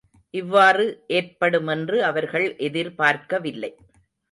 இவ்வாறு ஏற்படுமென்று அவர்கள் எதிர்ப்பார்க்கவில்லை.